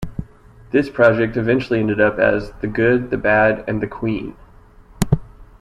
This project eventually ended up as The Good, the Bad and the Queen.